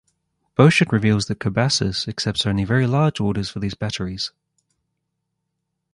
Boschert reveals that Cobasys accepts only very large orders for these batteries.